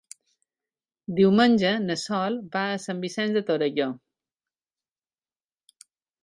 Diumenge na Sol va a Sant Vicenç de Torelló.